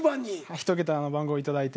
ひと桁の番号頂いて。